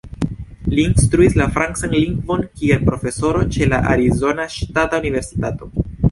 Li instruis la francan lingvon kiel profesoro ĉe la Arizona Ŝtata Universitato.